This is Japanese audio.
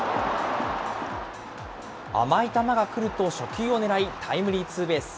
甘い球が来ると初球を狙い、タイムリーツーベース。